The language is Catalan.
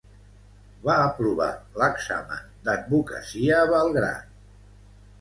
Va aprovar l'examen d'advocacia a Belgrad.